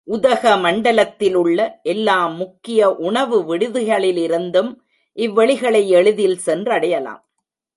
உதகமண்டலத்திலுள்ள எல்லா முக்கிய உணவு விடுதிகளிலிருந்தும் இவ் வெளிகளை எளிதில் சென்றடையலாம்.